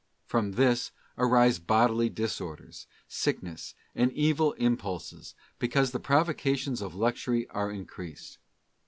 '* From this arise bodily disorders, sick ness, and evil impulses, because the provocations of luxury are increased.